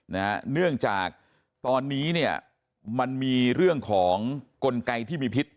เนื่องจากตอนนี้เนี่ยมันมีเรื่องของกลไกที่มีพิษ